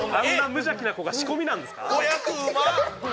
無邪気な子が仕込みなんですか？